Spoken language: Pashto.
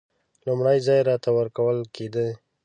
لومړی ځای راته ورکول کېدی.